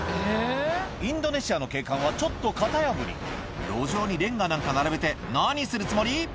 インドネシアの警官はちょっと型破り路上にレンガなんか並べて何するつもり？